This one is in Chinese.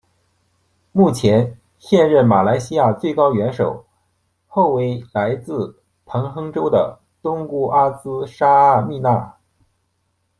目前现任马来西亚最高元首后为来自彭亨州的东姑阿兹纱阿蜜娜。